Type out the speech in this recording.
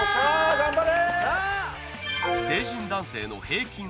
頑張れ！